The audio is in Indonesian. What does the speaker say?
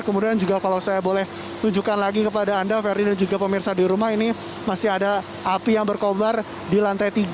kemudian juga kalau saya boleh tunjukkan lagi kepada anda ferdin dan juga pemirsa di rumah ini masih ada api yang berkobar di lantai tiga